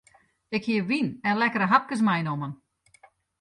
Ik hie wyn en lekkere hapkes meinommen.